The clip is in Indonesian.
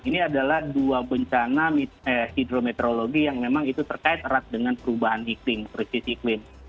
ini adalah dua bencana hidrometeorologi yang memang itu terkait erat dengan perubahan iklim krisis iklim